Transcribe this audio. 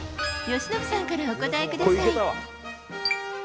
由伸さんからお答えください。